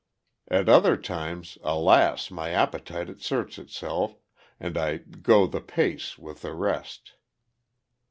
At other times, alas! my appetite asserts itself, and I "go the pace" with the rest.